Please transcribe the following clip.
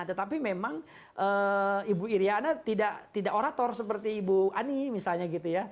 tetapi memang ibu iryana tidak orator seperti ibu ani misalnya gitu ya